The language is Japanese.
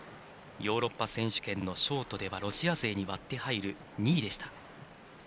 ヨーロッパ選手権のショートではロシア勢に割って入る２位でした。